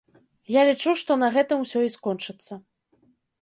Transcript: Я лічу, што на гэтым усё і скончыцца.